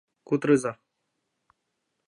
Кутырыза